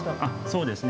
そうですね。